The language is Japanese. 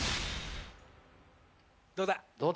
どうだ？